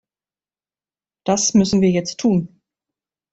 Das müssen wir jetzt tun!